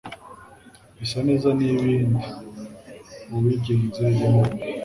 bisa neza nibindi uwigeze rimwe